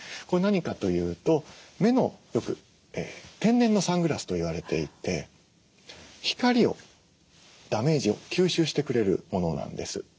これ何かというと目のよく天然のサングラスといわれていて光をダメージを吸収してくれるものなんです。